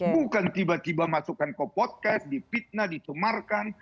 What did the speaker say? bukan tiba tiba masukkan ke podcast dipitnah ditumarkan